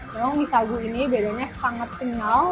memang mie sagu ini bedanya sangat kenyal